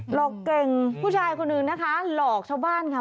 หลอกเก่งผู้ชายคนหนึ่งนะคะหลอกชาวบ้านค่ะ